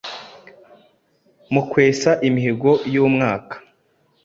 mu kwesa imihigo y’umwaka